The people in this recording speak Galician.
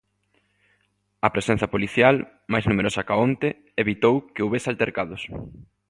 A presenza policial, máis numerosa ca onte, evitou que houbese altercados.